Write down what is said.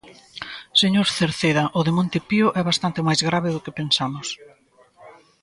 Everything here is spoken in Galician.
Señor Cerceda, o de Monte Pío é bastante máis grave do que pensamos.